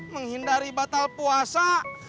menghindari batal puasa